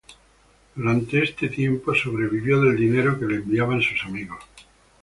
Durante este tiempo sobrevivió del dinero que le enviaban sus amigos.